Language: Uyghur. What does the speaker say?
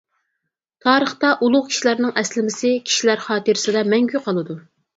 -تارىختا ئۇلۇغ كىشىلەرنىڭ ئەسلىمىسى كىشىلەر خاتىرىسىدە مەڭگۈ قالىدۇ.